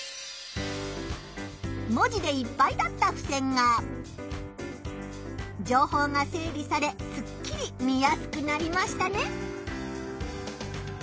文字でいっぱいだったふせんが情報が整理されすっきり見やすくなりましたね。